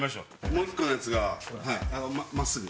もう１個のやつが真っすぐ。